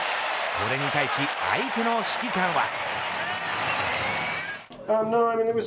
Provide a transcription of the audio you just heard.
これに対した相手の指揮官は。